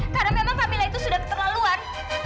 karena memang kamilah itu sudah keterlaluan